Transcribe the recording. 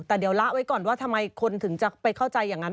แต่เดี๋ยวละไว้ก่อนว่าทำไมคนถึงจะไปเข้าใจอย่างนั้น